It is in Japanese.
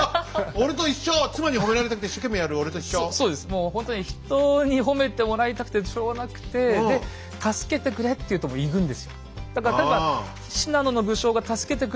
もうほんとに人に褒めてもらいたくてしょうがなくてで「助けてくれ」って言うともう行くんですよ。